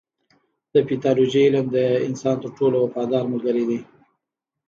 د پیتالوژي علم د انسان تر ټولو وفادار ملګری دی.